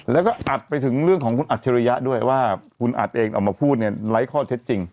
แล้วก็อัดไปถึงเรื่องของคุณอัจฉริยะด้วยว่าคุณอัดเองออกมาพูดเนี่ยไร้ข้อเท็จจริง